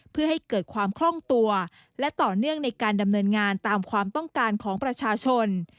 เพื่อให้เกิดความคล่องตัวและต่อเนื่องในการดำเนินงานตามความต้องการของประชาชน